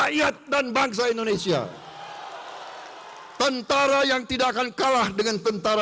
kita perlu intelijens yang unggul dan jujur